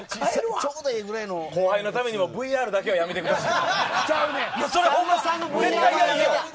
後輩のためにもＶＲだけはやめてください。